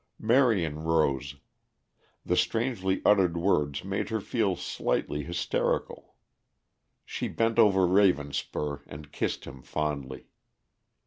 Marion rose. The strangely uttered words made her feel slightly hysterical. She bent over Ravenspur and kissed him fondly.